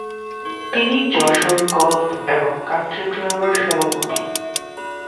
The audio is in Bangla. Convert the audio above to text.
তিনি যশোর গলফ এবং কান্ট্রি ক্লাবের সভাপতি।